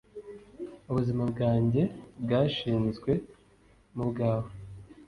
Ubuzima bwanjye bwashizwe mu bwawe